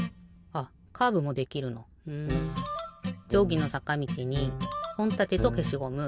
じょうぎのさかみちにほんたてとけしごむ。